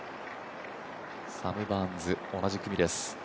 サム・バーンズ、同じ組です。